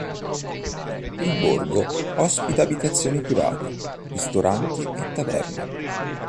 Il borgo ospita abitazioni private, ristoranti e taverne.